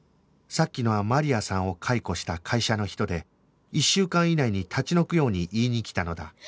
さっきのはマリアさんを解雇した会社の人で１週間以内に立ち退くように言いに来たのだ